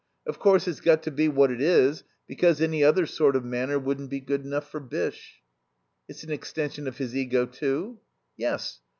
Of course, it's got to be what it is because any other sort of Manor wouldn't be good enough for Bysshe." "It's an extension of his ego, too?" "Yes.